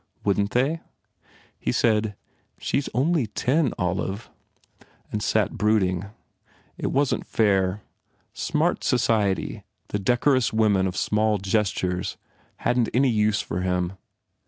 Wouldn t they? He said, "She s only ten, Olive," and sat brooding. It wasn t fair. Smart society, the decorous women of small gestures, hadn t any use for him.